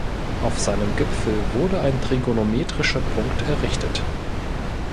Auf seinem Gipfel wurde ein trigonometrischer Punkt errichtet.